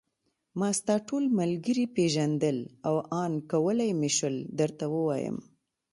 ما ستا ټول ملګري پېژندل او آن کولای مې شول درته ووایم.